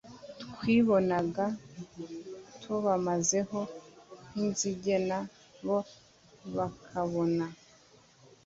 twibonaga tubamezeho nk inzige na bo bakabona